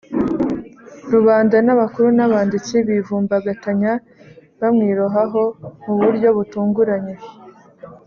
rubanda n abakuru n abanditsi bivumbagatanya bamwirohaho mu buryo butunguranye